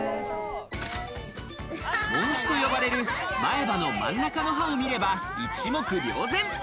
門歯と呼ばれる前歯の真ん中の歯を見れば一目瞭然。